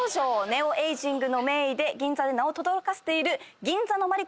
ネオエイジングの名医で銀座で名をとどろかせている銀座のまり